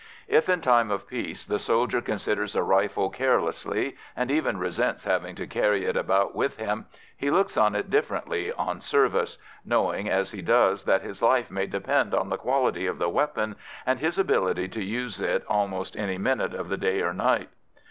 If in time of peace the soldier considers a rifle carelessly, and even resents having to carry it about with him, he looks on it differently on service, knowing as he does that his life may depend on the quality of the weapon and his ability to use it at almost any minute of the day or night.